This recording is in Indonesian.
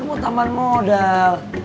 mau tambah modal